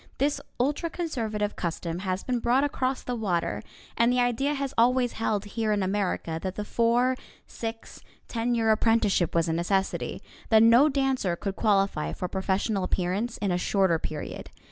This ultra conservative custom has been brought across the water, and the idea has always held here in America that the four, six, ten year apprenticeship was a necessity; that no dancer could qualify for a professional appearance in a shorter period.